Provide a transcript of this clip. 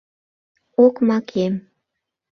Окмакем...